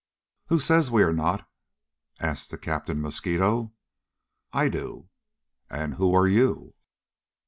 "Who says we are not?" asked the captain mosquito. "I do!" "And who are you?"